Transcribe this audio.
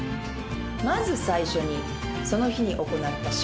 まず最初にその日に行った仕事の内容。